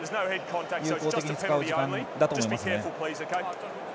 有効的に使う時間だと思います。